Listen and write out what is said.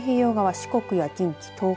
四国や近畿、東海